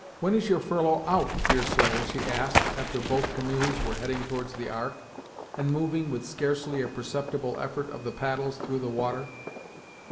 "When is your furlough out, Deerslayer," she asked, after both canoes were heading towards the Ark, and moving, with scarcely a perceptible effort of the paddles, through the water.